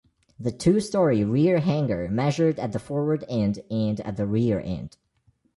The two-story rear hangar measured at the forward end and at the rear end.